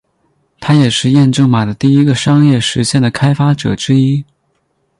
他也是验证码的第一个商业实现的开发者之一。